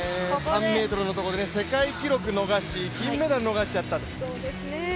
３ｍのところで世界記録逃し、金メダル逃しちゃった。